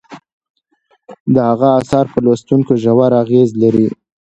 د هغه اثار په لوستونکو ژور اغیز لري.